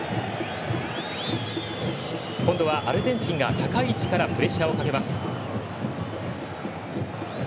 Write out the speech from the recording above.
今度はアルゼンチンが高い位置からプレッシャーをかけます。